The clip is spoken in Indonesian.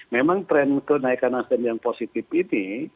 memang tren kenaikan nasdem yang positif ini